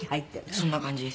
そんな感じです。